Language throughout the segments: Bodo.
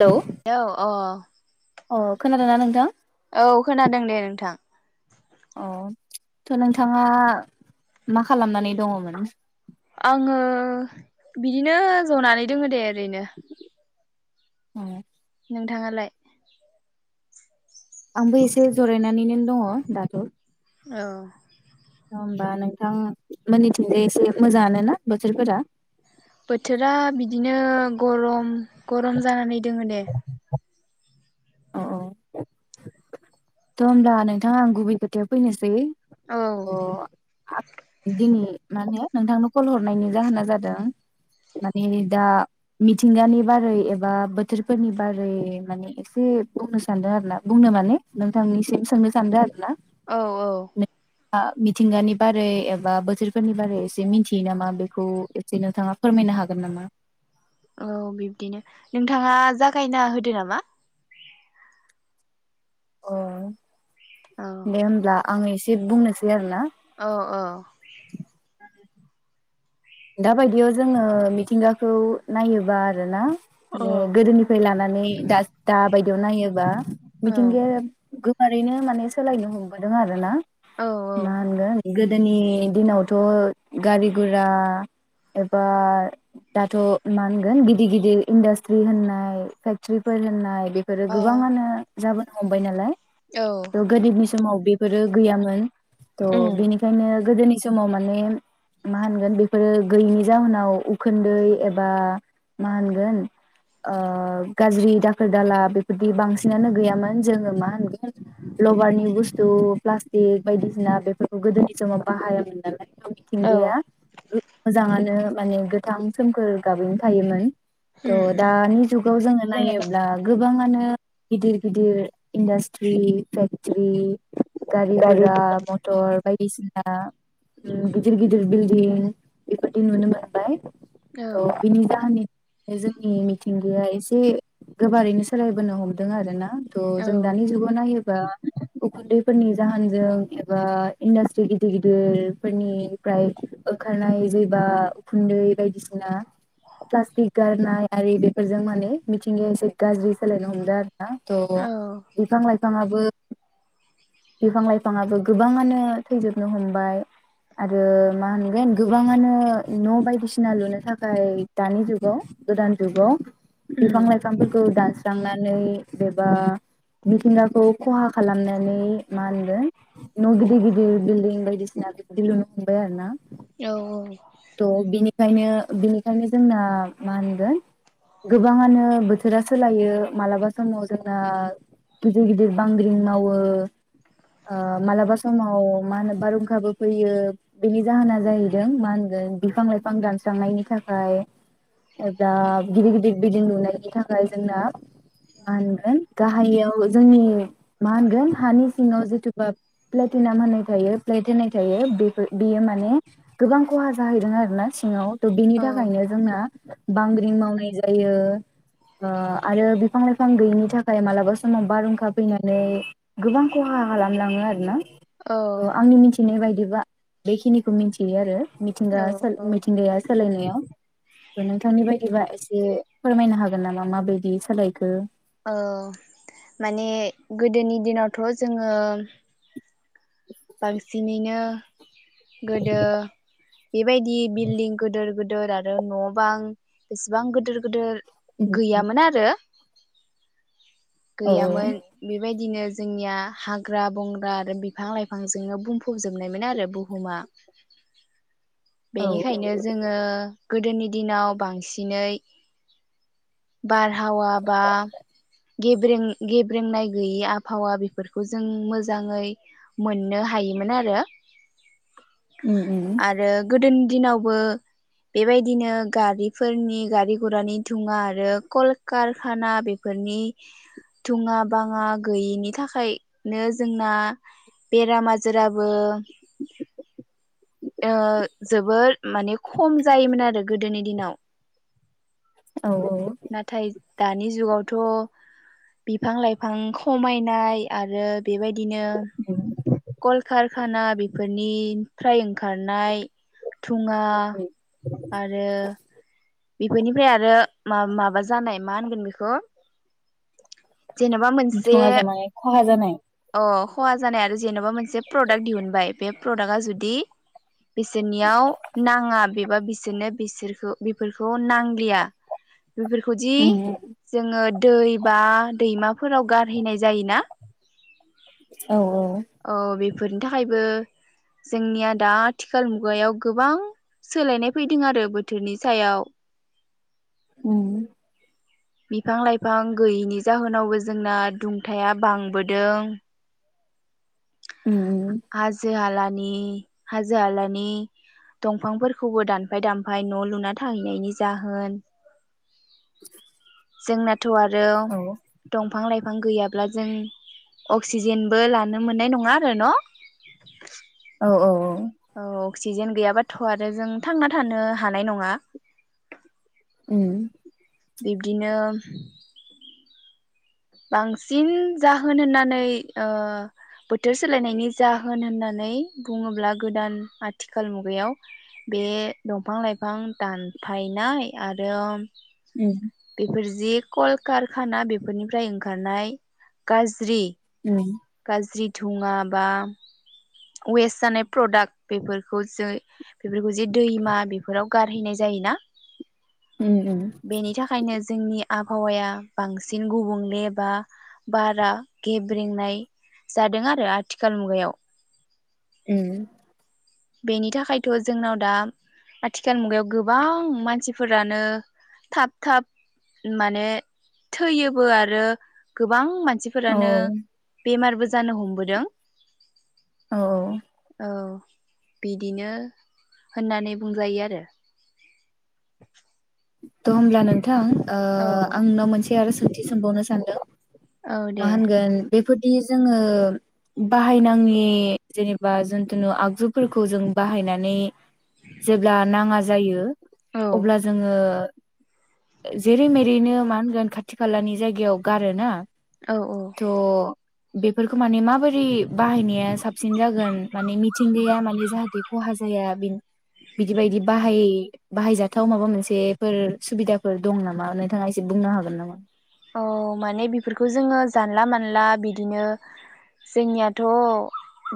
हेलौ औ अ अ खोनादोंना नोंथां औ खोनादों दे नोंथां अ थ' नोंथाङा मा खालामनानै दङमोन आङो बिदिनो जनानै दोङो दे ओरैनो औ नोंथाङालाय आंबो एसे जरायनानैनो दङ दाथ' औ होमबा नोंथां मोनैथिंजाय एसे मोजाङानो ना बोथोरफोरा बोथोरा बिदिनो गरम गरम जानानै दोङो दे अ औ थ' होनोमब्ला नोंथाङा आं गुबै खोथाया फैनोसै औ अ आ दिनै माने नोंथांनो कल हरनायनि जाहोना जादों माने दा मिथिंगानि बारै एबा बोथोरफोरनि बारै माने एसे बुंनो सानदों आरो ना बुंनो माने नोंथांनिसिम सोंनो सानदों ना औ औ नोंथाङा मिथिंगानि बारै एबा बोथोरफोरनि बारै एसे मिथियो नामा बेखौ एसे नोंथाङा फोरमायनो हागोन नामा औ बिब्दिनो नोंथाङा जागायना होदो नामा अ औ दे होमब्ला आं एसे बुंनोसै आरो ना औ औ [inaudible] दा बायदियाव जोङो मिथिंगाखौ नायोबा आरो ना औ माने गोदोनिफ्राय लानानै दा दा बायदियाव नायोबा औ मिथिंगाया गो ओरैनो माने सोलायनो हमबोदों आरो ना औ मा होनगोन गोदोनि दिनावथ' गारि गुरा एबा दाथ' मा होनगोन गिदिर गिदिर इन्डास्ट्रि होननाय फेक्ट्रिफोर होननाय बेफोरो अ गोबाङानो जाबोनो हमबाय नालाय औ द गोदोनि समाव बि फोरो गैयामोन थ'' उम बेनिखायनो गोदोनि बे समाव माने मा होनगोन बेफोरो गैयिनि जाहोनाव उखोनन्दै एबा मा होनगोन गाज्रि दाखोर दाला बेफोरदि बांसिनानो गैयामोन जोङो मा होनगोन लबारनि बुस्थु प्लास्टिक बायदिसिना बेफोरखौ गोदोनि समाव बाहायामोन नालाय [unintelligible] औ गोजाङानो माने गोथां सोमखोर गाबैनो थायोमोन थ उम उम दानि जुगाव जोङो नायोब्ला गोबाङानो गिदिर गिदिर इडासट्रि फेक्टिरि गारि गुरा मटर बायदिसिना गिदिर गिदिर बिल्दिं एफोरदि नुनो मोनबाय औ त बिनि जाहोननि बे जोंनि मिथिंगाया एसे गोबारैनो सोलायबोनो हमदों आरो ना तो जों दानि जुगाव नायो बा उखुन्दैफोरनि जाहोनजों एबा इन्डास्ट्रि गिदिर गिदिर फोरनिफ्राय ओखारनाय जेबा उखुन्दै बायदिसिना प्लास्टिक गारनाय आरि बेफोरजों माने मिथिंगाया एसे गाज्रि सोलायनो हमदों हा थ' बिफां लाइफाङाबो बिफां लाइफाङाबो गोबाङानो थैजोबनो हमबाय आरो मा होनगोन गोबाङानो न' बायदिसिना लुनो थाखाय दानि जुगाव गोदान जुगाव उम बिफां लाइफांफोखौ दान स्रांनानै एबा मिथिंगाखौ खहा खालामनानै मा होनदों न' गिदिर गिदिर बिल्डिं बायदिसिना बेबायदि लुनो हमबाय आरो ना औ औ ओंखायनो बेनिखायनो जोंना मा होनगोन गोबाङानो बोथोरा सोलायो मालाबा समाव जोंना गिदिर गिदिर बांग्रिं मावो ओ मालाबा समाव मा होनो बारहुंखाबो फैयो बेनि जाहोना जाहैदों मा होनगोन बिफां लाइफां दानस्रांनायनि थाखाय एबा गिदिर गिदिर बिल्डिं लुनायनि थाखाय जोंना मा होनगोन गाहाययाव जोंनि मा होनगोन हानि सिङाव जिथुबा प्लेटिनाम होननाय थायो प्लेट होननाय थायो बेफोर बेयो माने गोबां खहा जाहैदों आरो ना सिङाव त' बिनि औ औ थाखायनो जोंना बांग्रिं मावनाय जायो ओ आरो बिफां लाइफां गैयिनि थाखाय मालाबा समाव बारहुंखा फैनानै गोबां खहा खालामलाङो आरो ना औ ओ आंनि मिथिनाय बाय बिदिबा बेखिनिखौ मिथियो आरो मिथिंगा औ सो औ मिथिंगाया सोलायनायाव नोंथांनि बायदिबा एसे फोरमायनो हागोन नामा माबायदि सोलायखो औ माने गोदोनि दिनावथ' जोङो बांसिनैनो गोदो बेबायदि बिल्डिं गोदोर गो गोदोर आरो न' बां बेसेबां गोदोर गोदोर गैयामोन आरो औ गैयामोन बेबाय बिदिनो जोंनिया हाग्रा बंग्रा आरो बिफां लाइ लाइफांजोंनो बुंफबजोबनायमोन आरो बुहुमा औ बेनिखायनो जोङो गोदोनि दिनाव बांसिनै बारहावा बा गेब्रें गेब्रेंनाय गैयि आबहावा बेफोरखौ जों मोजाङै मोननो हायोमोन आरो उम उम आरो गोदोनि दिनावबो बेबायदिनो गारिफोरनि गारि गरानि थुङा आरो कलकारखाना बेफोरनि थुङा बाङा गैयिनि थाखायनो जोंना बेराम आजाराबो ओ जबोर माने खम जायोमोन आरो गोदोनि दिनाव औ औ नाथाय दानि जुगावथ' बिफां लाइफां खमायनाय आरो बेबायदिनो कलकारखाना बेफोरनिफ्राय ओंखारनाय दुङा आरो बेफोरनिफ्राय आरो माबा जानाय मा होनगोन बेखौ जेनेबा मोनसे थङ ज माने खहा जानाय अ खहा जानाय आरो जेन'बा मोनसे प्रडाक्ट दिहुनबाय बे प्रदाक्टआ जुदि बिसोरनियाव नाङा बेबा बिसोरनो बिसोरखौ फोरखौ नांलिया बेफोरखौदि उम जोङो दै बा दैमाफोराव गारहैनाय जायोना औ औ औ बेफोरनि थाखायबो जोंनिया दा आथिखाल मुगायाव गोबां सोलायनाय फैदों आरो बोथोरनि सायाव उम बिफां लाइफां गैयिनि जाहोनावबो जोंना दुंथाया बांबोदों उम उम हाजो हाला नि हाजो हालानि दंफांफोरखौबो दानफाय दानफाय न' लुना थाहैनायनि जाहोन [inaudible] जोंना थ' आरो औ दंफां लाइफां गैयाब ओ जेरै अब्ला जों अक्सिजेनबो लानो मोननाय नङा आरो न' औ औ औ औ अक्सिजेन गैयाबाथ' आरो जों थांना थानो हानाय नङा उम बिब्दिनो बांसिन जाहोन होननानै ओ बोथोर सोलायनायनि जाहोन होननानै बुङोब्ला गोदान आथिखाल मुगायाव बे दंफां लाइफां दानफायनाय आरो उम बेफोर जि कलकारखाना बेफोरनि फ्राय ओंखारनाय गाज्रि उम गाज्रि धुङा बा वेस्ट जानाय प्रडाक्ट बेफोरखौ जो बेफोरखौ जे दैमा बेफोराव गारहैनाय जायोना उम बेनि थाखायनो जोंनि आबहावाया बांसिन गुबुंले बा बारा गेब्रेंनाय जादों आरो आथिखाल मुगायाव उम बेनि थाखायथ' जोंनाव दा आथिखाल मुगायाव गोबां मानसिफोरानो थाब थाब माने थैयोबो आरो गोबां मान औ मानसिफोरानो बेमारबो जानो हमबोदों औ औ बिदिनो होननानै बुंजायो आरो थ' होमला न नोंथां ओ औ आं नोंनाव मोनसे आरो सोंथि सोंबावनो सानदों औ मा दे होनगोन बेफोरदि जोङो बाहायनाङि जेनेबा जिखुनु आगजुफोरखौ जों बाहायनानै जेब्ला नाङा जायो औ अब्ला जोङो ओ जेरै मेरैनो मा होनगोन खाथि खालानि जायगायाव गारोना? औ औ थ' बेफोरखौ माने माबोरै बाहायनाया साबसिन जागोन माने मिथिंगाया माने जाहाथे खहा जाया बिदि बायदि बाहाय बाहायजाथाव माबा मोनसे फोर सुबिदाफोर दं नामा नोंथाङा एसे बुंनो हागोन नामा? औ माने बेफोरखौ जोङो जानला मानला बिदिनो जोंनियाथ'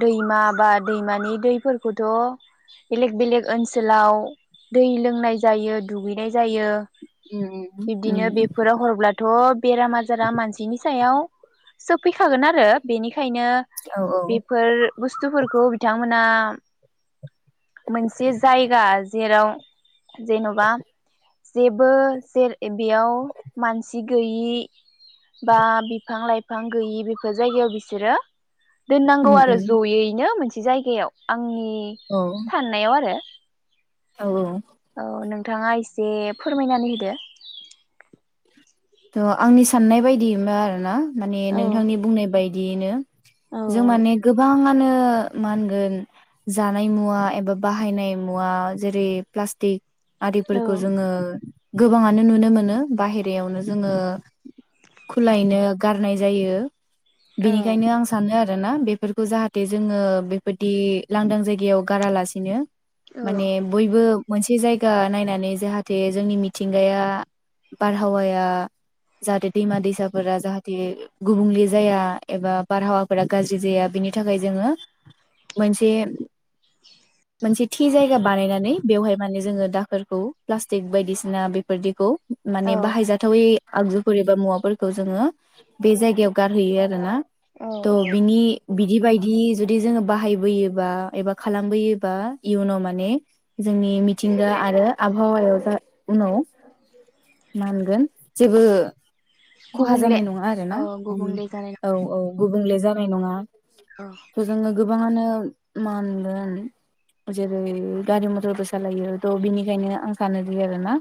दैमा बा दैमानि दैफोरखौथ' बेलेग बेलेक ओनसोलाव दै लोंनाय जायो दुगैनाय जायो। उम उम बिब्दिनो उम बेफोराव हरब्ला' अ बेराम आजारा मानसिनि सोफैखागोन आरो बेनि बेनिखायनो औ औ बेफोर बु बुस्थुफोरखौ बिथांमोना मोनसे जायगा जेराव जेन'बा जेबो जे बेयाव मानसि सि गैयि बा बिफां लाइफां गैयि बेफोर जायगायाव बिसोरो दोननांगौ उम आरो उम जयैनो मोनसे जायगायाव आं आंनि औ साननायाव आरो औ औ औ नोंथाङा एसे फोरमायनानै होदो। थ' आंनि साननाय बायदि मा आरो ना माने औ नोंथांनि बुंनाय बायदि बिदियैनो जों माने औ गोबाङानो मा होनगोन जानाय मुवा एबा बाहायनाय मुवा जेरै प्लास्टिक औ आरिफोरखौ जोङो गोबाङानो नुनो मोनो बाहेरायावनो जोङो खुलायनो गारनाय जायो बेनिखायनो आं सानो आरो आरो ना बेफोरखौ जाहाथे जोङो बेबायदि लांदां जायगायाव गारालासिनो औ माने बयबो मोनसे जायगा नायनानै जाहाथे जोंनि मिथिंगाया बारहावाया जाहाथे दैमा दैसाफोरा जाहाथे गुबुंले जाया एबा बारहावाफोरा गाज्रि जाया बेनि थाखाय जोङो मोनसे मोनसे थि जायगा बानायनानै बेवहाय माने जोङो दाखोरखौ प्लास्टिक बायदिसिना बेफोरदिखौ औ माने बाहायजाथावै आगजुफोर एबा मुवाफोरखौ जोङो बे जायगायाव गारहैयो आरो ना थ' औ बिनि बिदि बायदि जुदि जोङो बाहायबोयोबा एबा खालामबोयोबा इयुनाव माने जोंनि मिथिंगा आरो आबहावायाव जा उनाव मा होनगोन जेबो खहा गुबुंले जानाय नङा आरो ना औ गुबुंले जानाय औ औ गुबुन बुंले जानाय नङा औ थ' जोङो गोबाङानो मा होनगोन जेरै गारि मथरबो सालायो थ' बिनिखायनो आं सानो जि आरो ना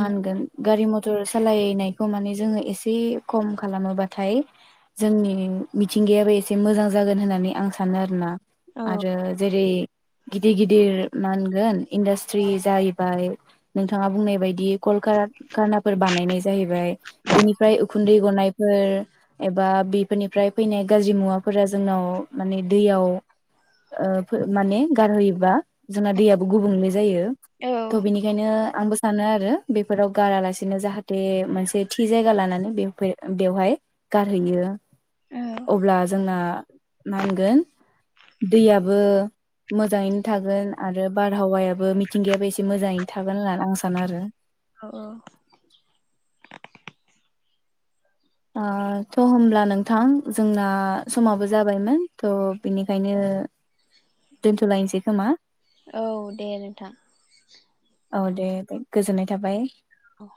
उम गारि मटर सालायनायखौ माने जोङो एसे खम खालामोबाथाय जोंनि मिथिंगायाबो एसे मोजां जागोन होननानै आं सानो आरोना औ आरो जेरै गिदिर गिदिर मा होनगोन इन्डास्ट्रि जाहैबाय नोंथाङा बुंनाय बायदि कलकारान खानाफोर बानायनाय जाहैबाय बेनिफ्राय उखुन्दै गनायफोर एबा बिफोरनिफ्राय फैनाय गाज्रि मुवाफोरा जोंनाव माने दैयाव फो ओ माने गारहैयोबा जोंना दैयाबो गुबुंले जायो औ थ' बेनिखायनो आंबो सानो आरो बेफोराव गारालासे बिदिनो जाहाथे मोनसे थि जायगा लानानै बेवफाय बेवहाय गारहैयो अब्ला जोंना मा होनगोन दैयाबो मोजाङैनो थागोन आरो बारहावायाबो मिथिंगायाबो एसे मोजाङैनो थागोन होननानै आं सानो आरो अ ओ थ' हब्ला नोंथां जोंना समाबो जाबायमोन थ' बिनिखायनो दोनथ'लायनोसै खोमा औ दे नोंथां। औ दे दे गोजोननाय थाबाय औ